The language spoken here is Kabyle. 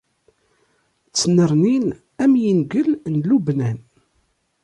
Ttnernin am yingel n Lubnan.